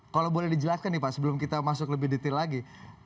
kalau boleh dijelaskan nih pak sebelum kita masuk lebih detail lagi